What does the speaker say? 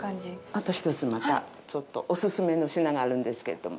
あと１つ、また、ちょっとお勧めの品があるんですけれども。